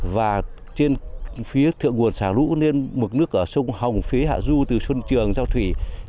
và trên phía thượng nguồn xả lũ nên mực nước ở sông hồng phía hạ du từ xuân trường giao thủy